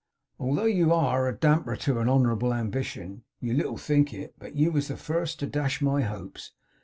'Although you ARE a damper to a honourable ambition. You little think it, but you was the first to dash my hopes.